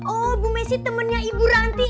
oh ibu messi temennya ibu ranti